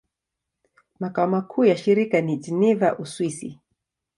Makao makuu ya shirika ni Geneva, Uswisi.